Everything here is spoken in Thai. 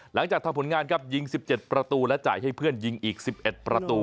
หลังจากทำผลงานครับยิง๑๗ประตูและจ่ายให้เพื่อนยิงอีก๑๑ประตู